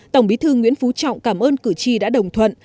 tổng bí thư nguyễn phú trọng cảm ơn cử tri đã đồng thuận